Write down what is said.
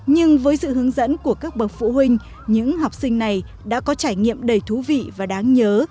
nhưng với sự hướng dẫn của các bậc phụ huynh những học sinh này đã có trải nghiệm đầy thú vị và đáng nhớ